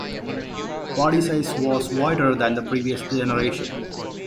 Body size was wider than the previous generation.